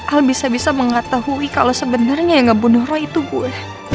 aku bisa bisa mengetahui kalau sebenarnya yang ngebunuh roh itu gue